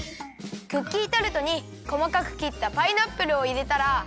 クッキータルトにこまかくきったパイナップルをいれたら。